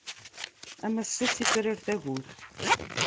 Am ass-a, ad tifrir tagut.